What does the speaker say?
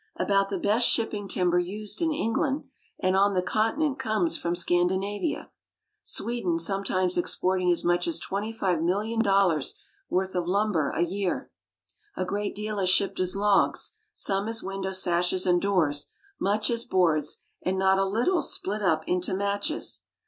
About the best shipping timber used in England and on the continent comes from Scandinavia, Sweden sometimes exporting as much as twenty five mil lion dollars worth of lumber a year. A great deal is shipped as logs, some as window sashes and doors, much as boards, and not a little split up into matches.